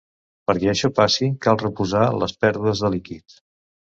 Perquè això passi, cal reposar les pèrdues de líquid.